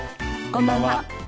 こんばんは。